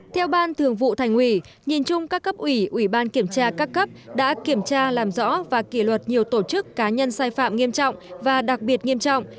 theo ban thường vụ thành ủy nhìn chung các cấp ủy ủy ban kiểm tra các cấp đã kiểm tra làm rõ và kỷ luật nhiều tổ chức cá nhân sai phạm nghiêm trọng và đặc biệt nghiêm trọng